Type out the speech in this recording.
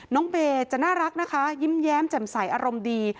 เบย์จะน่ารักนะคะยิ้มแย้มแจ่มใสอารมณ์ดี